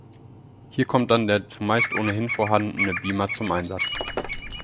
Hier kommt dann der zumeist ohnehin vorhandene Beamer zum Einsatz.